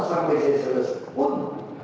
sampai selesai pun